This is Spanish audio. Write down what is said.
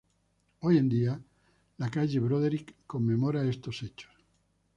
Hoy en día la calle Broderick conmemora estos hechos.